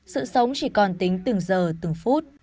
sự sống chỉ còn tính từng giờ từng phút